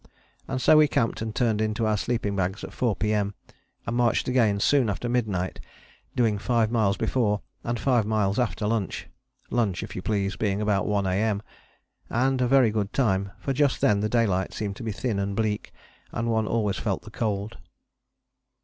And so we camped and turned in to our sleeping bags at 4 P.M. and marched again soon after midnight, doing five miles before and five miles after lunch: lunch, if you please, being about 1 A.M., and a very good time, for just then the daylight seemed to be thin and bleak and one always felt the cold.